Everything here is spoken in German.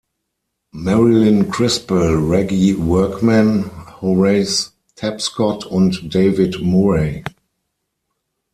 Marilyn Crispell, Reggie Workman, Horace Tapscott und David Murray.